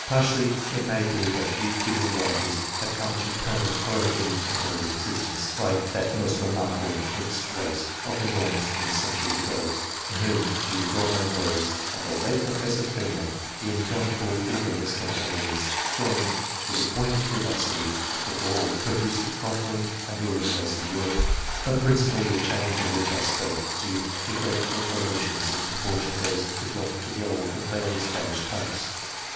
Partly it may be that new human varieties have come into per manent or only into temporary existence, like that most re markable mixed race of the Normans many centuries ago, in whom, to use well known words of the late Professor reeman, the indomitable vigour of the Scandinavians, joined to the buoyant vivacity of the Gaul, produced the conquering and ruling race of Europe. But principally the change of which I spoke is due to great alterations in xxiv PREFATORY CHAPTER the proportions of those who belong to the old and well established types.